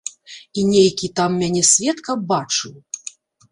І нейкі там мяне сведка бачыў.